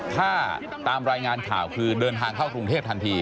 ถ้าตามรายงานข่าวคือเดินทางเข้ากรุงเทพทันที